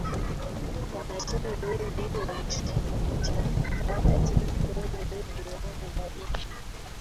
Wananchi wengi walishapata ajira kwenye viwanda hivi